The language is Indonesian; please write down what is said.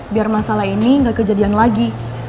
biar masalah ini nggak kejadian lagi